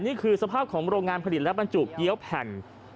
นี่คือสภาพของโรงงานผลิตและบรรจุเกี้ยวแผ่น